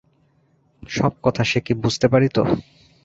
সব কথা সে কি বুঝতে পারিত।